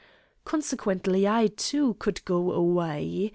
Consequently I, too, could go away.